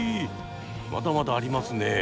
まだまだありますね。